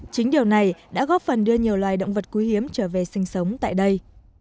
chính điều này đã góp phần đưa nhiều loài động vật quý hiếm trở về sinh sống tại đây